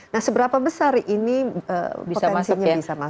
nah seberapa besar ini potensinya bisa masuk ke kembang